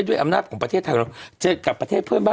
ด้วยอำนาจของประเทศไทยเราเจอกับประเทศเพื่อนบ้าน